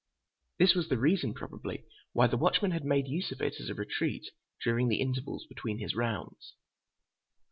This was the reason, probably, why the watchman had made use of it as a retreat during the intervals between his rounds.